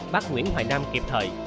bắt nguyễn hoài nam kịp thời